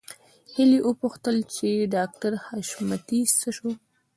هيلې وپوښتل چې ډاکټر حشمتي څه شو